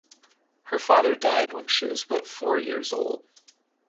Her father died when she was but four years old.